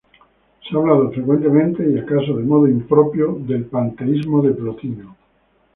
Se ha hablado frecuentemente -y acaso de modo impropio- del panteísmo de Plotino.